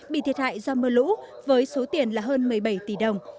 bị thiệt hại do mưa lũ với số tiền là hơn một mươi bảy tỷ đồng